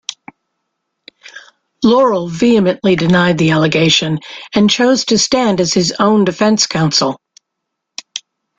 Laurel vehemently denied the allegation and chose to stand as his own defense counsel.